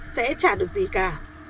sẽ trả được gì cả